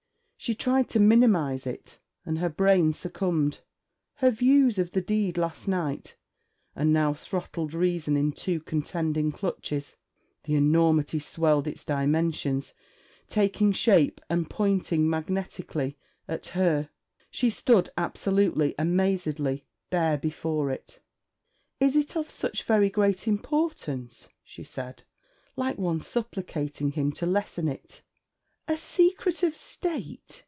She tried to minimize it, and her brain succumbed. Her views of the deed last night and now throttled reason in two contending clutches. The enormity swelled its dimensions, taking shape, and pointing magnetically at her. She stood absolutely, amazedly, bare before it. 'Is it of such very great importance?' she said, like one supplicating him to lessen it. 'A secret of State?